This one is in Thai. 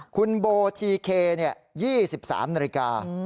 คุณโบทีเค๒๓นาฬิกา